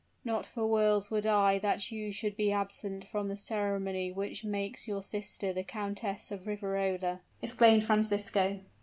"Not for worlds would I that you should be absent from the ceremony which makes your sister the Countess of Riverola!" exclaimed Francisco.